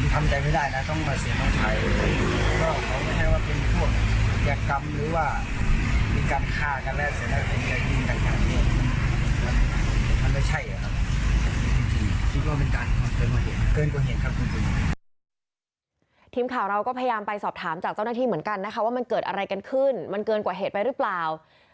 ทีมข่าวเราก็พยายามไปสอบถามจากเจ้าหน้าที่เหมือนกันนะคะว่ามันเกิดอะไรกันขึ้นมันเกินกว่าเหตุไปหรือเปล่า